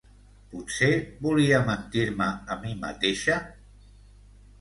Potser volia mentir-me a mi mateixa?